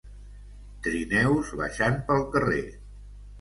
trineus baixant pel carrer